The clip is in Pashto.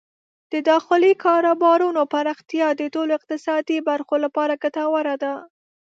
د داخلي کاروبارونو پراختیا د ټولو اقتصادي برخو لپاره ګټوره ده.